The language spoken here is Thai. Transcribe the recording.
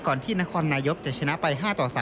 ก่อนที่นครนายกจะชนะไป๕๓